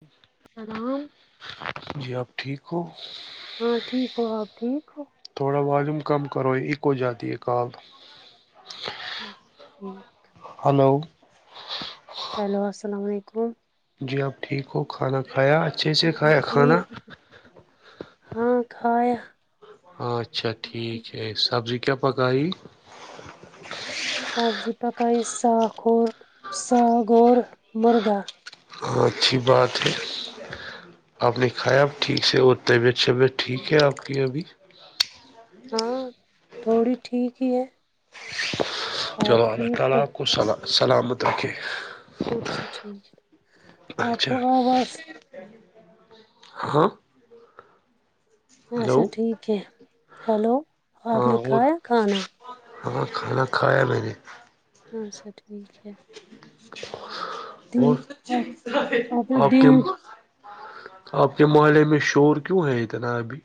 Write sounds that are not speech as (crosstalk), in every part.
جی hello, جی آپ ٹھیک ہو? ہاں ٹھیک ہو آپ ٹھیک ہو- تھوڑا والیوم کم کرو یہ اکو جاتی اقاد- (unintelligible) ہلو، ہلو، السلام علیکم- جی آپ ٹھیک ہو کھانا کھایا اچھے سے کھایا جی کھانا- ہاں کھایا اچھا ٹھیک ہے سبزی کیا پکائی? سبزی پکایی ساخ اور ساگ اور مرغا ہاں اچھی بات ہے آپ نے کھایا اب ٹھیک سے اور طبیعت شبیعت ٹھیک ہے آپ کی ابھی ہاں تھوڑی ٹھیک ہی ہے چلو آپ الله ٹھیک تعال ہو آپ کو سلا سلامت رکھے اچھا ٹھیک ہے آپ اچھا کو آواز ہاں ہاں (inaudible) اچھا ہلو ٹھیک ہے ہلو ہاں اور ہاں کھانا کھایا میں نے اچھا ٹھیک ہے دن اور آپ نے آپ کے دن آپ کے محلے میں شور کیوں ہے اتنا ابھی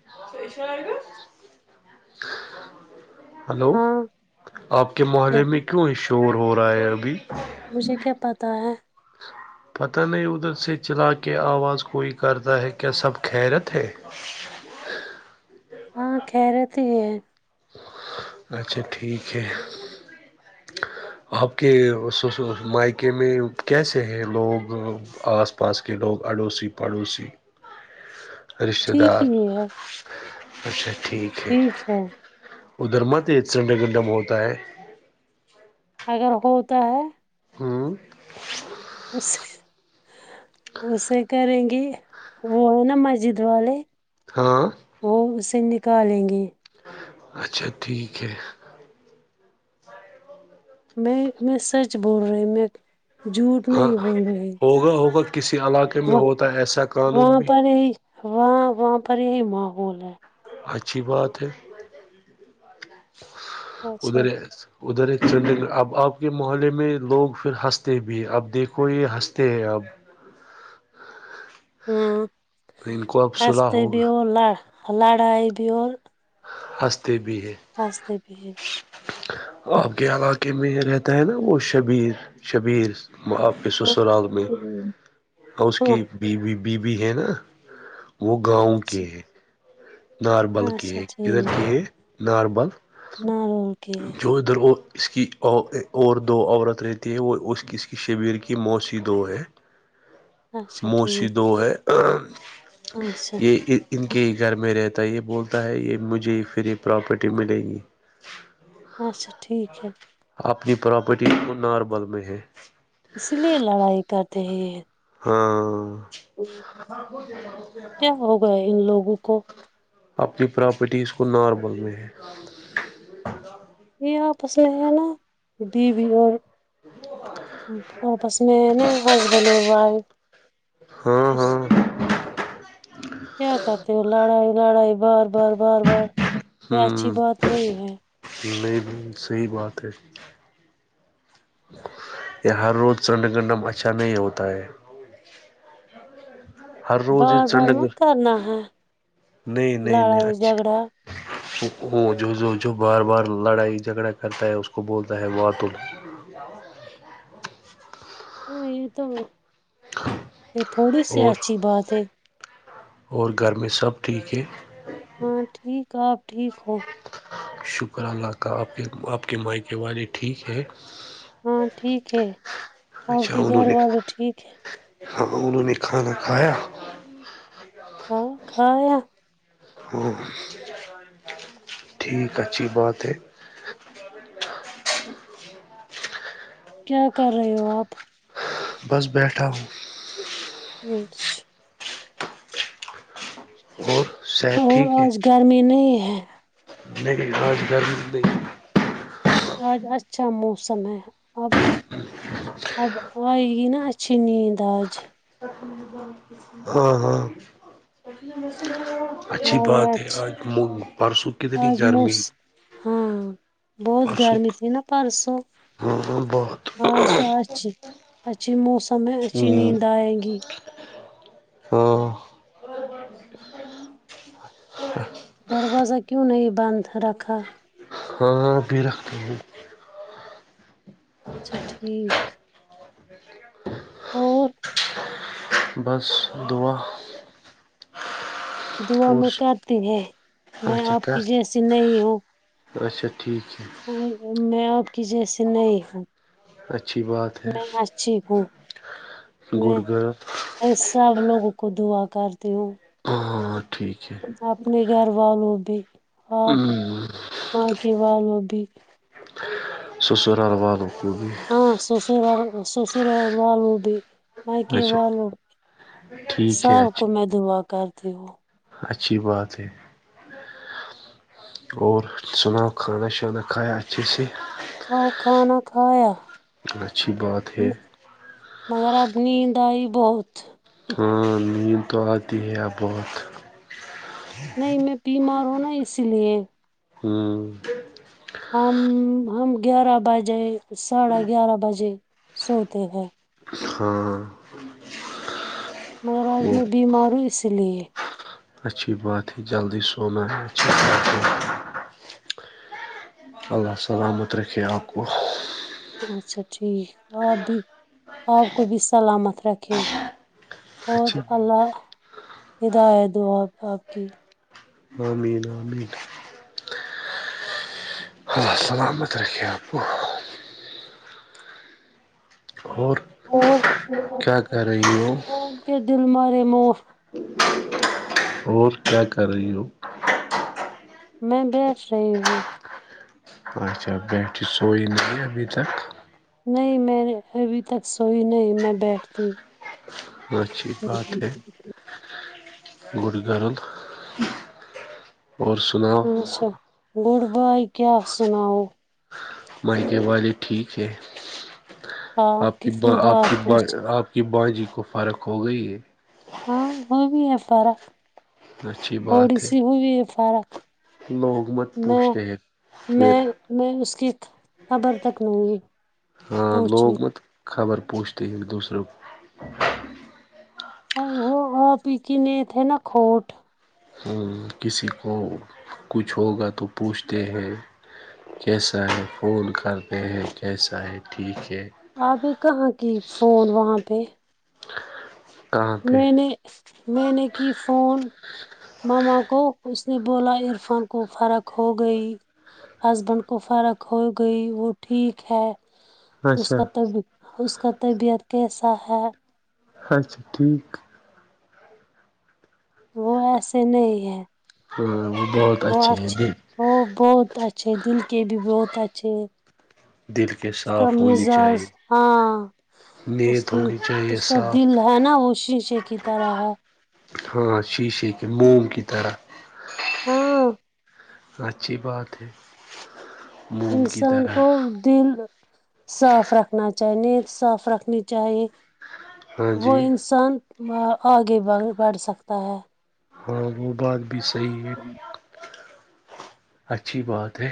(inaudible) (inaudible) ہلو ہاں آپ کے محلے کیا- میں کیوں یہ شور ہو رہا ہے ابھی مجھے کیا پتا ہے پتہ نہیں ادھر سے چلا کے آواز کوئی کرتا ہے کیا سب خیرت ہے ہاں خیریت ہی ہے اچھا ٹھیک ہے آپ کے سسر مایکے میں کیسے ہیں لوگ آس پاس کے لوگ اڑوسی پڑوسی رشتہ ٹھیک دار ہی ہے اچھا ٹھیک ٹھیک ہے ادھر مت یہ ژنڈ گنڈم ہوتا ہے اگر ہوتا ہے ہاں (inaudible) بو سے (inaudible) اسے کریں گی وہ ہے نا مسجد والے ہاں وہ اسے نکالیں گے اچھا ٹھیک ہے میں میں سچ بول رہی میں جھوٹ ہاں نہیں بول رہی ہوگا ہوگا کسی علاقے میں ہوتا ہے ایسا قانون وہاں بھی پر یہی وہاں وہاں پر یہی ماحول ہے اچھی بات ہے اچھا ادھر ہے ادھر ہے چنڈی اب آپ کے محلے میں لوگ پھر ہنستے بھی ہیں اب دیکھو یہ ہنستے ہیں اب ہوں ان کو اب صلح ہنستے بھی ہوگا اور لہ لڑائی بھی اور ہنستے بھی ہیں ہنستے بھی ہیں آپ کے علاقے میں رہتا ہے نا وہ شبیر شبیر آپ ہاں سرال میں اور اس ہاں، کی بیوی بیبی ہے نا وہ گاؤں کی اچھا ہے ناربل کی اچھا ہے کدھر ٹھیک کی ہے ناربل نارول کے ہے جو ادھر ہو اس کی ا اور دو عورت رہتی ہے وہ اس اس کی شبیر کی موسی دو ہے اچھا موسی ٹھیک دوو ہے اچھا یہ ای ان کے ہی گھر میں رہتا ہے یہ بولتا ہے یہ مجھے ہی فری پراپرٹی ملے گی اچھا ٹھیک ہے اپنی پراپرٹی ناربل میں ہے اس لیے لڑائی کرتے ہیں ہاں ہے ان لوگوں کو اپنی پراپرٹی اس کو نارمل میں ہے یہ آپس میں ہے نا بی بی اور بس میں ن ہسبینڈ اور وائف ہاں خوش ہاں کیا کرتے ہو لڑائی لڑائی بار بار بار بار یہ اچھی ہوں بات نہیں ہے نہیں صحی بات ہے یہ ہر روز چنڈ گرڈم اچھا نہیں ہوتا ہے ہر روز یہ بار بار چنڈ م گ کرنا ہے نہیں نہیں نہیں لڑائیائی اچھی جگڑا وہ جو جو بار بار لڑائی جھگڑا کرتا ہے اس کو بولتا ہے وارط ال (unintelligible) ہاں یہ تو یہ تھوڑی سی اور اچھی بات ہے اور گھر میں سب ٹھیک ہے ہاں ٹھیک آ آپ ٹھیک ہو شکر اللہ کا آپ کے آپ کے مائیکے والے ٹھیک ہے ہاں ٹھیک ہے آپ اچھا کے انہوں گھر نے والے ٹھیک ہے ہاں انہوں نے کھانا کھایا آقایا ہ ٹھیک اچھی بات ہے کیا کر رہے ہو آپ بس بیٹھا ہوں اچھ اور شت اور ٹھیک ہے آج گرمی نہیں ہے نہیں آج گھر د آج اچھا موسم ہے اب اب آئے گی نا چینی داج ہاں ہاں اچھی بات ہاں ہے اچھی آج پرسوں کتنی آج گرمی موس ہاں بہت پرسوں گرمی تھی نا پرسوں ہاں بہت آج تو اچ اچچ موسم ہے اھی ہوں نیندائگی ہاں دروازہ کیوں نہیں بند رکھا ہاں بے رکھتا ہوں اچھا ٹھیک اور بس دعا دعا اور میں کاٹتی ہے میں اچھا آپ کی کر جیسی نہیں ہوں اچھا ٹھیک ہے میں اپ کی جیسے نہیں ہے اچھی بات ہے جییک گڑگر میں سب لوگوں کو دعا کرتی ہوں ہاں ٹھیک ہے اپنے گھر والو بھی آپ ہے پارکے والو بھی سسرال والوں کو بھی ہاں سوسور سصور لالو بھی مائیک اچھا وال ٹھیک ہے سب کو اچھی میں دعا کرتی ہوں اچھی بات ہے اور سناؤ کھانا شانا کھایا اچھے سے اور کھانا کھایا اور اچھی بات ہے مگر اپبنی د آئی بہت ہاں نیند تو آتی ہے ا بہت نہیں میں بیمار ہوں نا اسی لیے ہوں ہم ہم گیارہ بجے ساڑھے گیارہ بجے سوتے ہیں ہاں مگر آج وہ میں بیمار ہوں اس لیے اچھی بات ہے جلدی سونا ہے اچھی بات ہے اللہ السلامت رکھے آکو اچھا ٹھیک آپ بھی آپ کو بھی سلامت رکھے اور اچھی اللہ ہدایت دو آ آپ کی ہاں مین ہ مین السلامت رکھ آپ اور اور کیا کر رہی ہو کے دل م رے مو اور کیا کر رہی ہو میں بیھ رہی ہوں اچھا بیٹری سو نہیں ہے ابھی تک نہیں میں نے ابھی تک سوئی نہیں میں بیٹھتی اچھی بات ہے ہوں گڑ گرل اور سنا اچھا گڈ بائے کیا سناؤو مائکے والے ٹھیک ہے ہاں آپ کی کتنی آپ بار کی ب پوچھ آپ کہ بانجی کو فرق ہو گئی ہے ہاں ہو بھی ہے فرق اچھی تھوڑی بات ہے سی ہو بھی ہے فرق لوگ مت میں پونچتے ہیں میں پھر میں اس کی خبر تک لوں گی ہاں لوگ مت خبر پوچتے ہی دوسروں وہ آ پییکنے تھے نا کوٹ کو کسی کو کچھ ہوگا تو پوچھتے ہیں کیسا ہے فون کر رہے ہیں کیسا ہے ٹھیک ہے آپ کہاں کی فون وہاں پہ کہاں پہ میں نے میں نے کی فون ماما کو اس نے بولا عرفان کو فرق ہو گئی ہسبینڈ کو فرق ہو گئی وہ ٹھیک ہے اچھا اس کا طبیعت کیسا ہے اچھا ٹھیک وہ ایسے نہیں ہے وہ بہت اچھے ہیں دن وہ بہت اچھے دل کے بھی بہت اچھے دل کے اس کا صاف ہونی مزاز چاہیے ہاں اس نیت کی ہونی چاہیے اس کا صاف دل ہے نا وہ شیشے کی طرح ہے ہاں شیشے کے موم کی طرح ہاں اچھی بات ہے موم کی انسان طرح کو دل صاف رکھنا چاہیے نیت صاف رکھنی چاہیے ہاں وہ جی انسان آگے بڑھ سکتا ہے ہاں وہ بات بھی صحیح ہے اچھی بات ہے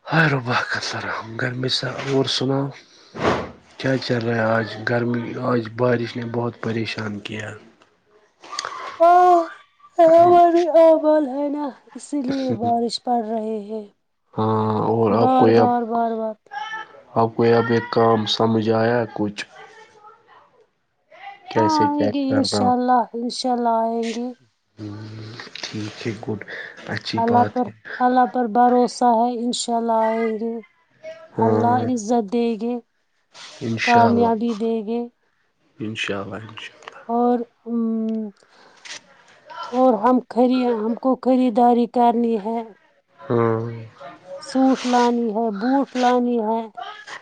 (inaudible) کیا چل رہا ہے آج گرمی آج بارش نے بہت پریشان کیا ہاں ہمارے ہی اعمال ہے نا اسی لیے بارش پڑھ رہے ہیں ہاں اور آپ کواپ بار اپ کو یہ اب کام سمجھ ایا ہے کچھ ہاں کیسے آئیں کیا گے کرنا انشاء اللہ انشاء اللہ آئیں گی ٹھیک ہے گڈ اچھی اللہ بات پر ہے اللہ پر بھروسہ ہے ان شاء اللہ آئیں گے ہاں اللہ عزت دے گے کامیابی دے گے ان شاء اللہ ان شالہ اور اور ہم ک ہم کو خریداری کرنی ہے ھم سوٹ لانی ہے بوٹ لانی ہے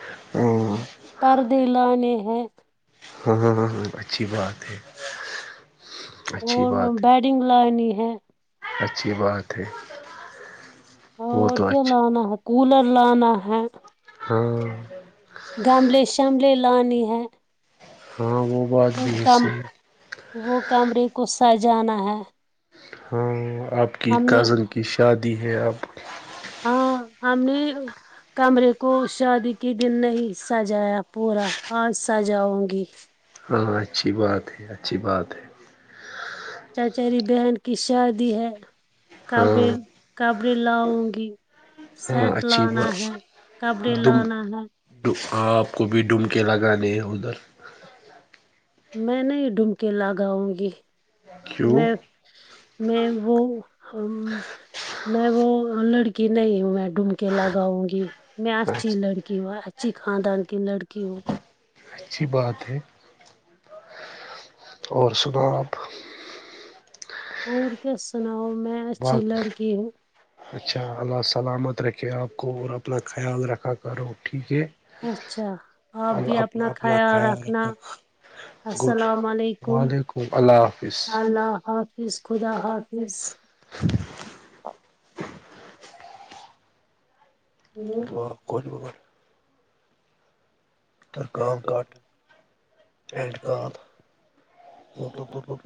(inaudible) پردے لانے ہیں ہاں ہاں ہاں اچھی بات ہے اچھی بات اور بیڈنگ لانی ہے اچھی بات ہے وہ اور تو کیا اچھا لانا ہے کولر لانا ہے ہاں گملے شملے لانی ہے ہاں وہ بات وہ بھی ہے کم صحیح وہ کمرے کو سجانا ہے ہاں آپ کی ہم نے کزن کی شادی ہے آب ہاں ہم نے کمرے کو شادی کے دن نہیں سجایا پورا آج سجاؤں گی ہاں اچھی بات ہے اچھی بات ہے چچری بہن کی شادی ہے ہاں کبڑے کبڑے لاؤ گی ہاں سیٹ اچھی لانا بات ہے کپڑے دم لانا ہے آپ کو بھی ڈومکے لگانے ہیں ادھر میں نہیں ڈومکے لاگاؤں گی کیوں میں میں وہ میں وہ لڑکی نہیں ہوں میں ڈومکے لگاؤں گی میں اچھی لڑکی ہوں اچھی خاندان کی لڑکی ہوں اچھی بات ہے اور شبپ اور کیا سناؤ میں اچھی بات لڑکی ہ اچھا اللہ سلامت رکھے آپ کو اور اپنا خیال رکھا کرو ٹھیک ہے اچھا ا بھی اپنا خیال رکھنا گڈ السلام علیکم وعلیکم اللہ حافظ اللہ حافظ خدا حافظ (unintelligible) کوول گ کوول ت کا کٹ اینڈ کاند ہو لگ